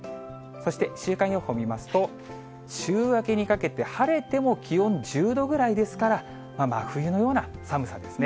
そして週間予報見ますと、週明けにかけて、晴れても気温１０度ぐらいですから、真冬のような寒さですね。